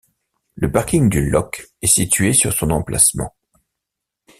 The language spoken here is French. Le parking du loch est situé sur son emplacement.